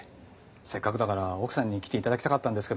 せっかくだから奥さんに来て頂きたかったんですけど。